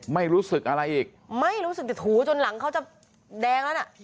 ไม่รู้สึกอะไรอีกไม่รู้สึกจะถูจนหลังเขาจะแดงแล้วน่ะ